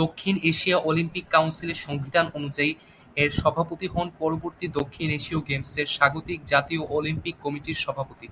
দক্ষিণ Asia Olympic কাউন্সিলের সংবিধান অনুযায়ী এর সভাপতি নির্বাচিত হন পরবর্তী দক্ষিণ এশীয় গেমসের স্বাগতিক জাতীয় অলিম্পিক কমিটির সভাপতি।